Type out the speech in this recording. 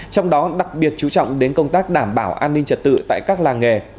trong đó đặc biệt chú trọng đến công tác đảm bảo an ninh trật tự tại các làng nghề